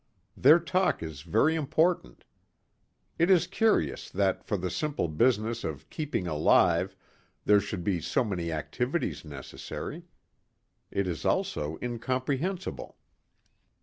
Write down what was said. Their talk is very important. It is curious that for the simple business of keeping alive there should be so many activities necessary. It is also incomprehensible.